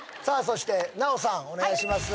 そしてナヲさんお願いします